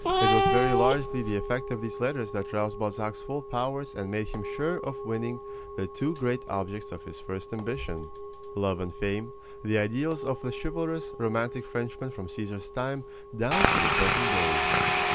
It was very largely the effect of these letters that roused Balzac's full powers and made him sure of winning the two great objects of his first ambition love and fame the ideals of the chivalrous, romantic Frenchman from Caesar's time down to the present day.